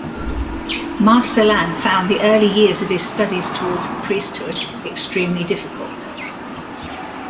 Marcellin found the early years of his studies towards the priesthood extremely difficult.